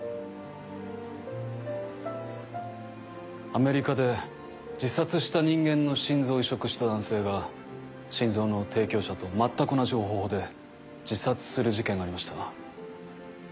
アメリカで自殺した人間の心臓を移植した男性が心臓の提供者と全く同じ方法で自殺する事件がありました。